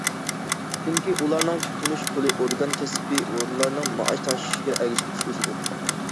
چۈنكى، ئۇلارنىڭ كۈتۈنۈش پۇلى ئورگان، كەسپىي ئورۇنلارنىڭ مائاش تەڭشىشىگە ئەگىشىپ ئۆسىدۇ.